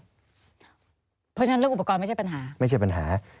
เพราะฉะนั้นเรื่องอุปกรณ์ไม่ใช่ปัญหา